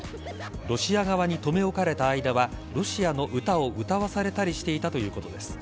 ロシア側に留め置かれた間はロシアの歌を歌わされたりしていたということです。